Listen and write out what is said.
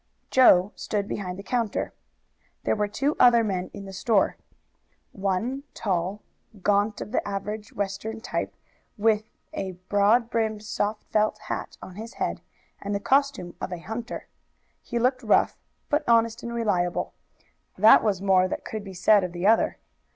Joe stood behind the counter; there were two other men in the store, one tall, gaunt, of the average Western type, with a broad brimmed soft felt hat on his head and the costume of a hunter; he looked rough, but honest and reliable, that was more than could be said of the other.